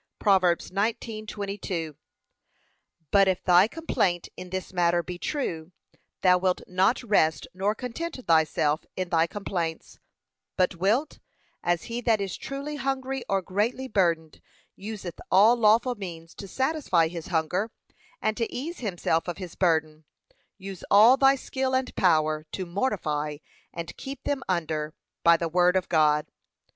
(Prov. 19:22) But if thy complaint in this matter be true, thou wilt not rest nor content thyself in thy complaints, but wilt, as he that is truly hungry or greatly burdened useth all lawful means to satisfy his hunger and to ease himself of his burden, use all thy skill and power to mortify and keep them under, by the word of God.